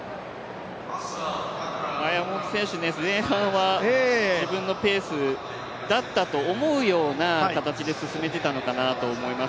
山本選手、前半は自分のペースだったと思うような形で進めていったかと思います。